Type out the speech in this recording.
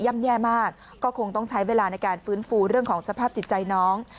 แย่มากก็คงต้องใช้เวลาในการฟื้นฟูเรื่องของสภาพจิตใจน้อง